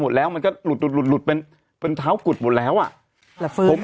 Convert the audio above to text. หมดแล้วมันก็หลุดหลุดหลุดเป็นเป็นเท้ากุฎหมดแล้วอ่ะผม